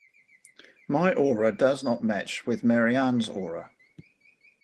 My aura does not match with Marianne's aura.